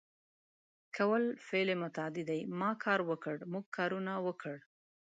کول فعل متعدي دی ما کار وکړ ، موږ کارونه وکړ